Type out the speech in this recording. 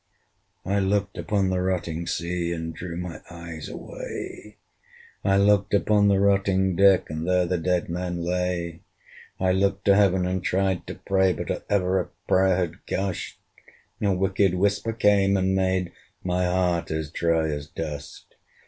I looked upon the rotting sea, And drew my eyes away; I looked upon the rotting deck, And there the dead men lay. I looked to Heaven, and tried to pray: But or ever a prayer had gusht, A wicked whisper came, and made my heart as dry as dust.